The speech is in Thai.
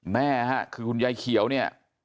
แม่ฮะคือนายแขียวเนี่ย